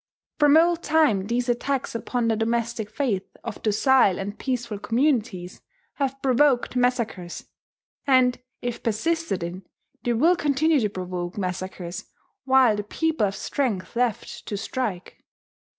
From old time these attacks upon the domestic faith of docile and peaceful communities have provoked massacres; and, if persisted in, they will continue to provoke massacres while the people have strength left to strike.